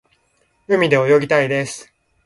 海で泳ぎたいです。